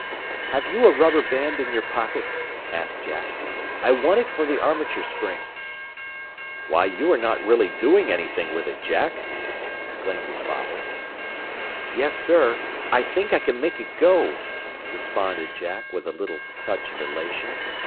"Have you a rubber band in your pocket?" asked Jack. "I want it for the armature spring." "Why you are really not doing anything with it, Jack!" exclaimed his father. "Yes, sir. I think I can make it go," responded Jack with a little touch of elation.